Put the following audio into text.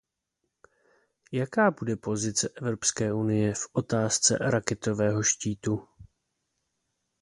Jaká bude pozice Evropské unie v otázce raketového štítu?